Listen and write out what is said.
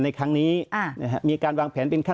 ในครั้งนี้มีการวางแผน